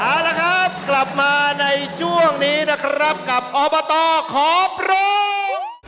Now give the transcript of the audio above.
เอาละครับกลับมาในช่วงนี้นะครับกับอบตขอปรุง